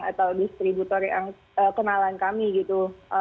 atau distributor yang kenalan kami gitu